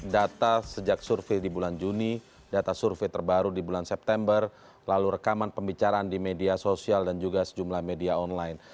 data sejak survei di bulan juni data survei terbaru di bulan september lalu rekaman pembicaraan di media sosial dan juga sejumlah media online